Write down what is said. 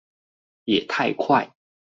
也太快